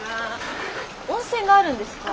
温泉があるんですか？